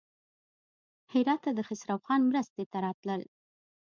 هراته د خسروخان مرستې ته راتلل.